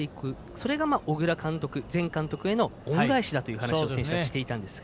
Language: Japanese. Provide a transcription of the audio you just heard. それが小倉前監督への恩返しだという話を選手たち、していたんですが。